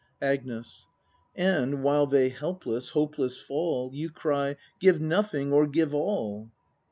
Agnes. And, while they helpless, hopeless fall. You cry: Give nothing or give all!